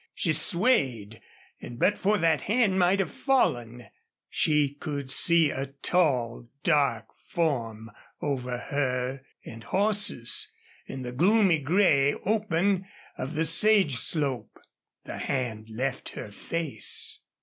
She swayed, and but for that hand might have fallen. She could see a tall, dark form over her, and horses, and the gloomy gray open of the sage slope. The hand left her face.